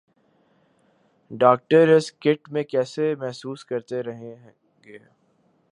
doctor اس کٹ میں کیسے محسوس کرتے رہیں گے